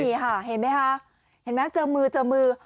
นี่ค่ะเห็นไหมคะเห็นไหมเจอมือเจอมือ